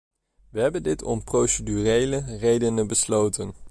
We hebben dit om procedurele redenen besloten.